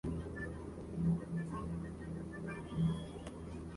Actualmente es una de las unidades militares más antiguas de toda Europa.